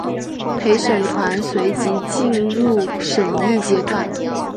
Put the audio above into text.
陪审团随即进入审议阶段。